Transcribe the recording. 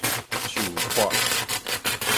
樹獺